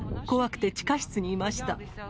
怖くて地下室にいました。